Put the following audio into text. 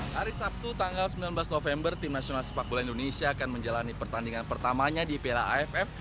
hari sabtu tanggal sembilan belas november tim nasional sepak bola indonesia akan menjalani pertandingan pertamanya di piala aff